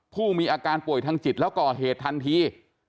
ผู้มีอาการป่วยทางจิตแล้วก่อเหตุทันที